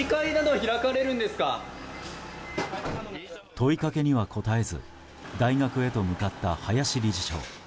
問いかけには答えず大学へと向かった林理事長。